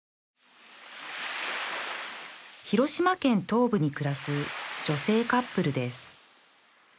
広島県東部に暮らす女性カップルです